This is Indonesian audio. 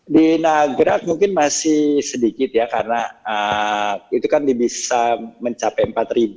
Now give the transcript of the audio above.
di nagrag mungkin masih sedikit ya karena itu kan bisa mencapai empat